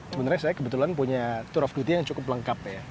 sebenarnya saya kebetulan punya tour of duty yang cukup lengkap ya